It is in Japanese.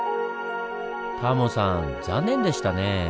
タモさん残念でしたねぇ。